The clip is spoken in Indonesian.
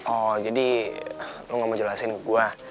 oh jadi lo gak mau jelasin ke gue